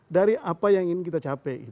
dari apa yang ingin kita capai